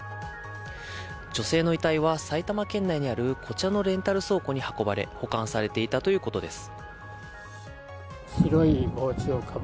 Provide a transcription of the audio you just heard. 女性の遺体は埼玉県内にあるこちらのレンタル倉庫に運ばれ保管されていたということです。